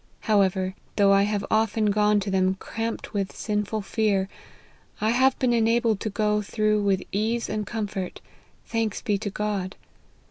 However, though I have often gone to them cramped with sinful fear, I have been enabled to go through with ease and comfort, thanks be to God.